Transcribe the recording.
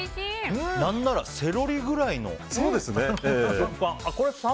何ならセロリくらいの。